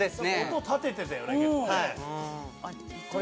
音立ててたよね